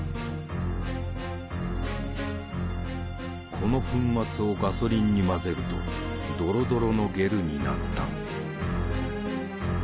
この粉末をガソリンに混ぜるとドロドロのゲルになった。